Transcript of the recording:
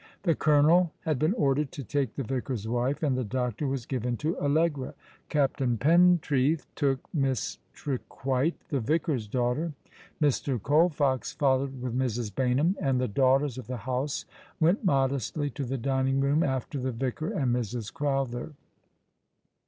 The colonel had been ordered to take the vicar's wife, and the doctor was given to Allegra ; Captain Pentreath took Miss Trequite, the vicar's daughter ; ]\Ir. Colfox followed with Mrs. Baynham, and the daughters of the house went modestly to the dining room after the vicar and Mrs. Crowther.